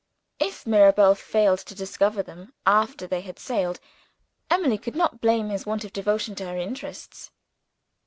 If Mirabel failed to discover them, after they had sailed, Emily could not blame his want of devotion to her interests.